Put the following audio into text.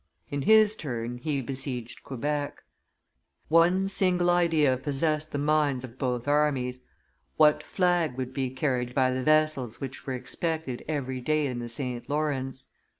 In his turn he besieged Quebec. One single idea possessed the minds of both armies; what flag would be carried by the vessels which were expected every day in the St. Lawrence?